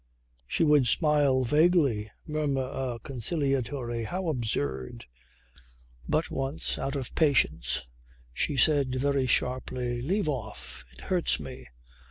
She would smile vaguely; murmur a conciliatory "How absurd." But once, out of patience, she said quite sharply "Leave off. It hurts me.